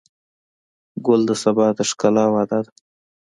ګل د سبا د ښکلا وعده ده.